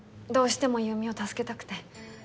どうしても優美を助けたくて。